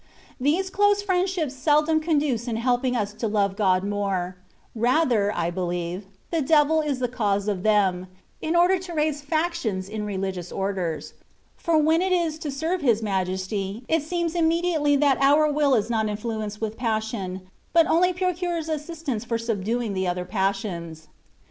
These close friendships seldom conduce in helping us to love God more ; rather, I beUeve, the devil is the cause of them, in order to raise factions in religious Orders ; for when it is to serve His Majesty, it seems immediately that our will is not influenced with passion, but only procures assist ance for subduing the other passions.